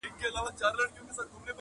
خو یو بل وصیت هم سپي دی راته کړی,